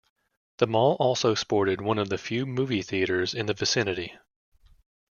The mall also sported one of the few movie theaters in the vicinity.